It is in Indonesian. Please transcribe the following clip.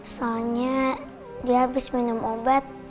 soalnya dia habis minum obat